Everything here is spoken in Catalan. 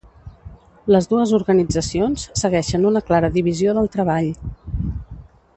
Les dues organitzacions segueixen una clara divisió del treball.